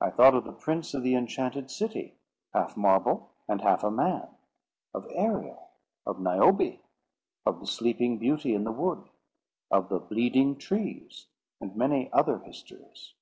I thought of the Prince of the Enchanted City, half marble and half a man; of Ariel; of Niobe; of the Sleeping Beauty in the Wood; of the bleeding trees; and many other histories.